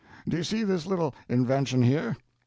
Do you see this little invention here?